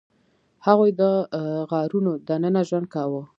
هغوی د غارونو دننه ژوند کاوه.